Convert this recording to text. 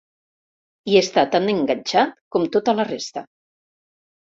Hi està tan enganxat com tota la resta.